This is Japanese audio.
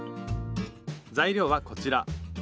材料はこちら。